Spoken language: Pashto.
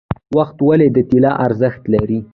وخت ولې د طلا ارزښت لري؟